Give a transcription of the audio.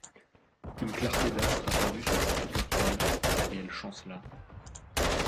Une clarté d’astre apparut sur sa figure pâle, et elle chancela.